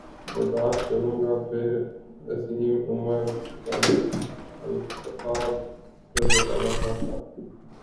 برداشت کروں گا پھر عظیم عمر بن الخطاب رض کا